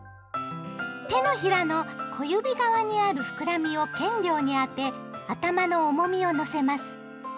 手のひらの小指側にある膨らみをけんりょうにあて頭の重みをのせます。